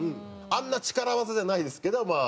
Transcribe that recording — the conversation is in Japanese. あんな力技じゃないですけどまあ